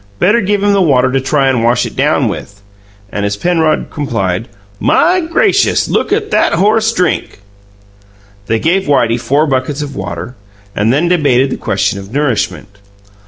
Better give him the water to try and wash it down with." And, as Penrod complied, "My gracious, look at that horse DRINK!" They gave Whitey four buckets of water, and then debated the question of nourishment.